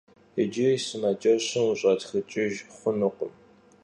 Yicıri sımaceşım vuş'atxıç'ıjj xhunukhım.